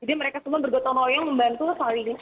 jadi mereka semua bergotong gotong yang membantu saling